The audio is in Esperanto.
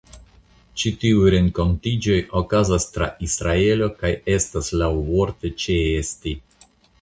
Ĉi tiuj renkontiĝoj okazas tra Israelo kaj estas laŭvole ĉeesti.